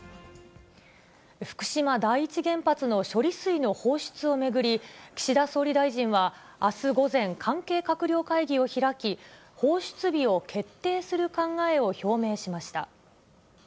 福島第一原発の処理水の放出を巡り、岸田総理大臣はあす午前、関係閣僚会議を開き、放出日を決定する考えを表明しました。